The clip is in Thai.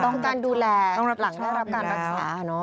ต้องการดูแลหลังได้รับการรักษา